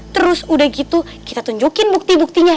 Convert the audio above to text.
terus udah gitu kita tunjukin bukti buktinya